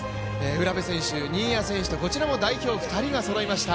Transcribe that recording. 卜部選手、新谷選手とこちらも代表２人がそろいました。